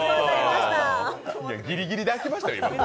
ギリギリで開けましたよ。